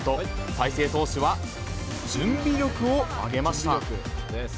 大勢投手は、準備力を挙げました。